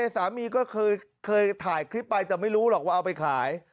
สามีก็เคยถ่ายคลิปไปแต่ไม่รู้หรอกว่าเอาไปขาย